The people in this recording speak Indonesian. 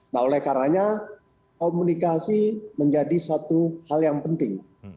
nah oleh karanya komunikasi menjadi satu hal yang penting